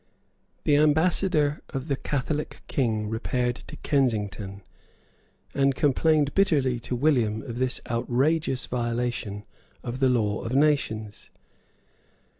The ambassador of the Catholic King repaired to Kensington, and complained bitterly to William of this outrageous violation of the law of nations.